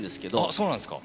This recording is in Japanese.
そうなんですか。